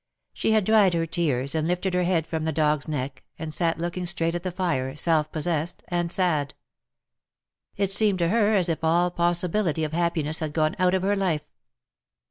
She had dried her tears, and lifted her head from the dog^s neck, and sat looking straight at the fire, self possessed and sad. It seemed to her as if all possibility of happiness had gone out of her life.